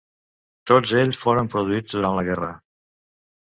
Tots ells foren produïts durant la guerra.